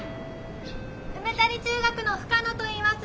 梅谷中学の深野といいます。